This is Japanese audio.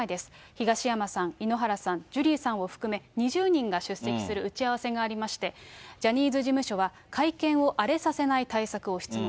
東山さん、井ノ原さん、ジュリーさんを含め２０人が出席する打ち合わせがありまして、ジャニーズ事務所は会見を荒れさせない対策を質問。